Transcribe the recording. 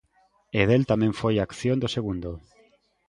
E del tamén foi a acción do segundo.